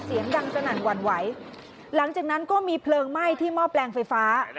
เสียงดังสนั่นหวั่นไหวหลังจากนั้นก็มีเพลิงไหม้ที่หม้อแปลงไฟฟ้า